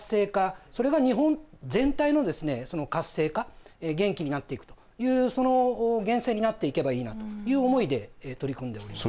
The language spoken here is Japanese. それが日本全体のですねその活性化元気になっていくというその源泉になっていけばいいなという思いで取り組んでおります。